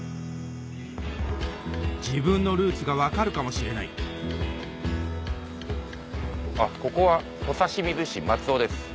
自分のルーツが分かるかもしれない「ここは土佐清水市松尾です」。